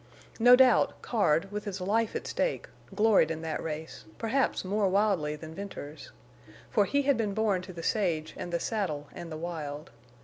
No doubt, Card, with his life at stake, gloried in that race, perhaps more wildly than Venters. For he had been born to the sage and the saddle and the wild.